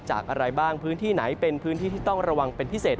อะไรบ้างพื้นที่ไหนเป็นพื้นที่ที่ต้องระวังเป็นพิเศษ